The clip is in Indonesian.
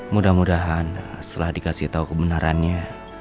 mudah mudahan setelah dikasih tahu kebenarannya